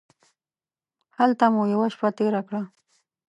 هلته مو یوه شپه تېره کړه.